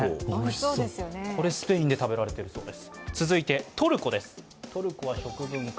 これ、スペインで食べられているそうです。